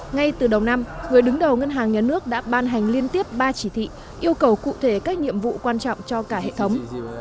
ngay từ đầu năm người đứng đầu ngân hàng nhà nước đã ban hành liên tiếp ba chỉ thị yêu cầu cụ thể các nhiệm vụ quan trọng cho cả hệ thống